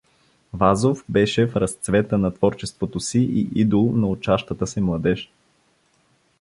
Вазов беше в разцвета на творчеството си и идол на учащата се младеж.